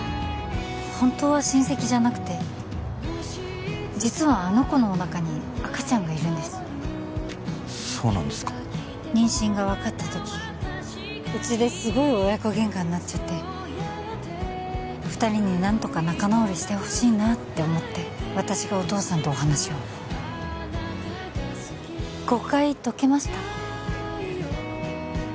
ホントは親戚じゃなくて実はあの子のおなかに赤ちゃんがいるんですそうなんですか妊娠が分かった時うちですごい親子ゲンカになっちゃって二人に何とか仲直りしてほしいなって思って私がお父さんとお話を誤解とけました？